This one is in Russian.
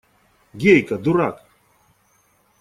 Гейка, дурак!